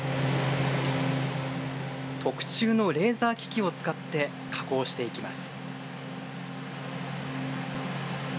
特注のレーザー機器を使って加工していきます。